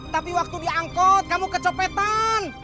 tapi waktu diangkut kamu kecopetan